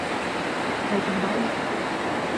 Vai ter baile?